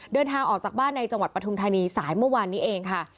เดินทางออกจากบ้านในจังหวัดปฐุมธานีสายเมื่อวานนี้เองค่ะ